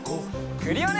クリオネ！